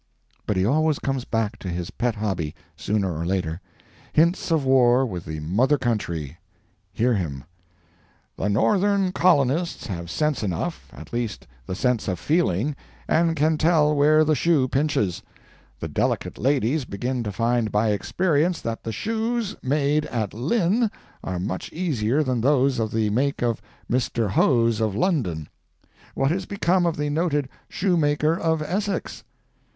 But he always comes back to his pet hobby, sooner or later—hints of war with the mother country. Hear him: "The northern colonists have sense enough, at least the sense of feeling; and can tell where the shoe pinches—The delicate ladies begin to find by experience, that the Shoes made at LYNN are much easier than those of the make of MR. HOSE of London—What is become of the noted Shoemaker of Essex?"